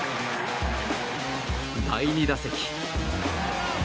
第２打席。